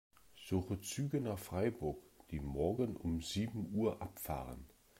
Suche Züge nach Freiburg, die morgen um sieben Uhr abfahren.